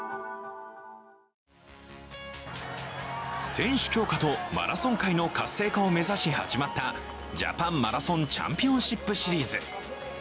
選手強化とマラソン界の活性化を目指し始まったジャパンマラソンチャンピオンシップシリーズ。